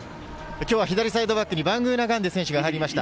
今日は左サイドバックにバングーナガンデ選手が入りました。